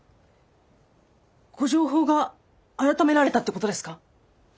ご定法が改められたってことですか！？